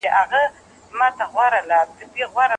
آیا ستا پلار ته د خنجر صاحب کره تللی وې؟